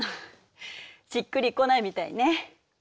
しっくりこないみたいね。